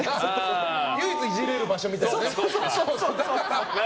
唯一イジれる場所みたいなね。